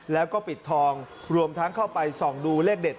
แล้วก็ปิดทองรวมทั้งเข้าไปส่องดูเลขเด็ด